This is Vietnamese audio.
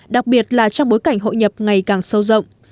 đặc biệt là trong bối cảnh hội nhập ngày càng sâu rộng